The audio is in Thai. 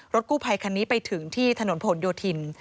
กู้ภัยคันนี้ไปถึงที่ถนนผลโยธิน